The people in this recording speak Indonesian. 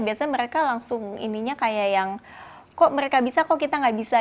biasanya mereka langsung ininya kayak yang kok mereka bisa kok kita gak bisa